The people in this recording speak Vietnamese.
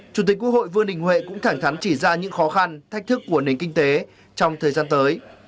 chủ tịch quốc hội vương đình huệ cũng thẳng thắn chỉ ra những khó khăn thách thức của nền kinh tế trong thời gian tới